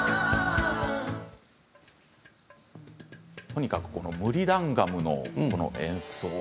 とにかく、このムリダンガムの演奏